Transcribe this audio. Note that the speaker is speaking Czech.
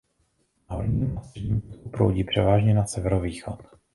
Na horním a středním toku proudí převážně na severovýchod.